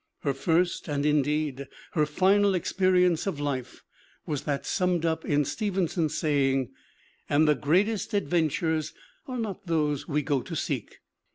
Her first and indeed her final experience of life was that summed up in Stevenson's saying: "And the greatest adventures are not those we go to seek."